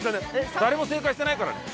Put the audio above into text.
誰も正解してないからね。